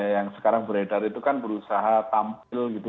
yang sekarang beredar itu kan berusaha tampil gitu